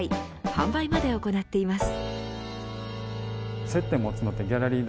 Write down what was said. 販売まで行っています。